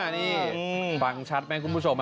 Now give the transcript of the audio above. นี่ฟังชัดไหมคุณผู้ชม